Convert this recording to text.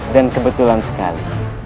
dan kebetulan sekali